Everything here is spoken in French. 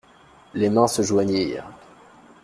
Les mains se joignirent.